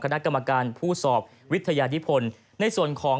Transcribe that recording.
คณะกรรมการผู้สอบวิทยานิพลในส่วนของ